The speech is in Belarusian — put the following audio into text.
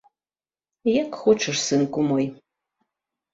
Як хочаш, сынку мой.